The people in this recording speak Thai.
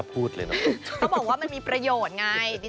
เขาบอกว่ามันมีประโยชน์ไง